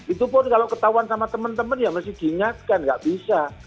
itu pun kalau ketahuan sama teman teman ya mesti diingatkan nggak bisa